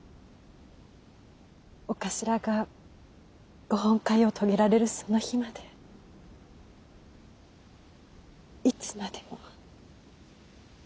お頭がご本懐を遂げられるその日までいつまでも。